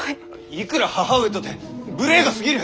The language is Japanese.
いくら母上とて無礼がすぎる！